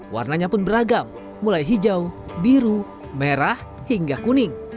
warnanya pun beragam mulai hijau biru merah hingga kuning